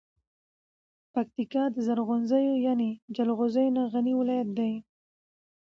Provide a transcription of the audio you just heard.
پکتیکا د زنغوزو یعنب جلغوزو نه غنی ولایت ده.